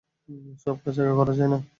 সব কাজ একা করা যায় না।